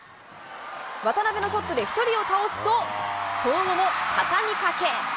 渡辺のショットで１人を倒すと、その後も畳みかけ。